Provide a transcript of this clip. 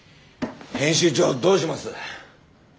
編集長どうします？